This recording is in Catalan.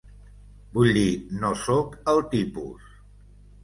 Vull dir, no sóc el tipus.